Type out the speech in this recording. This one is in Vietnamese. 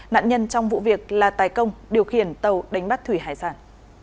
nạn nhân trong vụ việc là tài công điều khiển tàu đánh bắt thủy hải sản